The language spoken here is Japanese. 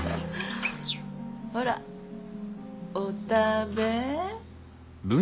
ほらお食べ。